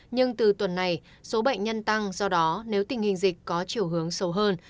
nhưng từ tuần này số bệnh nhân tăng do đó nếu tình hình dịch có chiều hướng xấu hơn